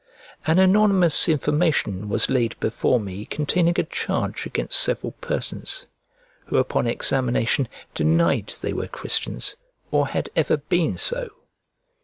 An anonymous information was laid before me containing a charge against several persons, who upon examination denied they were Christians, or had ever been so.